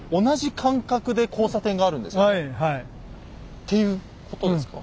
っていうことですか？